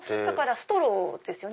ストローですよね